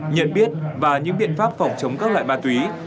nhận biết và những biện pháp phòng chống các loại ma túy